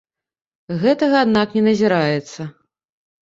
Гэтага, аднак, не назіраецца.